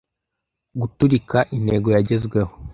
Guturika intego yagezweho!